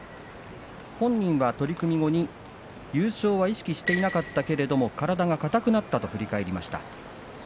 本人は取組後に、優勝は意識していなかったけど体が硬くなったと振り返りました。